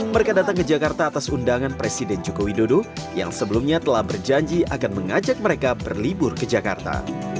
mereka datang ke jakarta atas undangan presiden joko widodo yang sebelumnya telah berjanji akan mengajak mereka berlibur ke jakarta